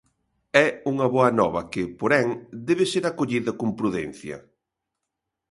É unha boa nova que, porén, debe ser acollida con prudencia.